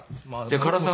「唐さん